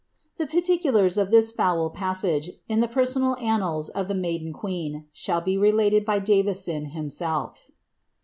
le particulars of this foul passage, in the personal annals of the en queen, shall be related by Davison himself.'